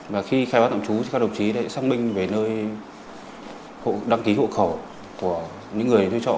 và khi khai báo tạm trú thì các đồng chí đã xác minh về nơi đăng ký hộ khẩu của những người thuê trọ